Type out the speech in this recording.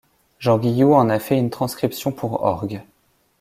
Jean Guillou en a fait une transcription pour orgue.